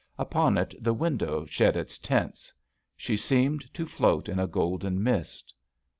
Upon it the window shed its tints. She seemed to float in a golden mist.